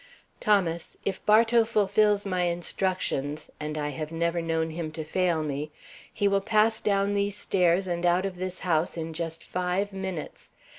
"Thomas, if Bartow fulfils my instructions and I have never know him to fail me he will pass down these stairs and out of this house in just five minutes.